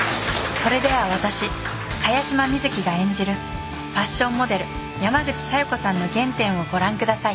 それでは私茅島みずきが演じるファッションモデル山口小夜子さんの原点をご覧ください